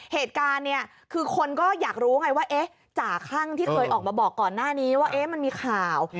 เหตุการณ์เนี่ยคือคนก็อยากรู้ไงว่าเอ๊ะจ่าคั่งที่เคยออกมาบอกก่อนหน้านี้ว่ามันมีข่าว